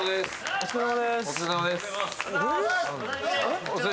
お疲れさまですあれ？